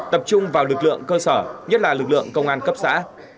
họ chung vào lực lượng cơ sở nhất là lực lượng công an cấp xã